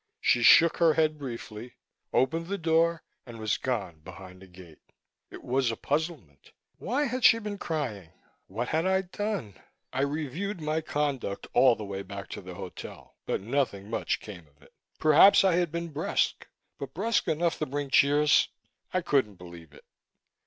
She shook her head briefly, opened the door and was gone behind the gate. It was a puzzlement. Why had she been crying? What had I done? I reviewed my conduct all the way back to the hotel, but nothing much came of it. Perhaps I had been brusque but brusque enough to bring tears? I couldn't believe it.